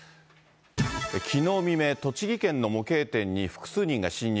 きのう未明、栃木県の模型店に、複数人が侵入。